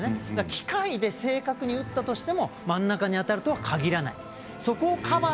機械で正確に射ったとしても真ん中に当たるとはかぎらないという。